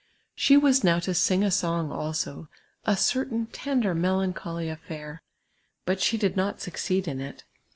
She was now to sing a song also, a cer tain tender melancholy atl'uir ; but she did not succeed in it.